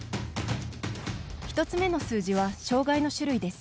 １つ目の数字は障がいの種類です。